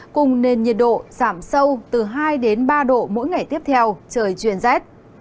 cùng nền nhiệt độ giảm sâu từ hai ba độ mỗi ngày tiếp theo trời chuyển rét